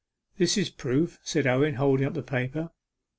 'This is proof,' said Owen, holding up the paper.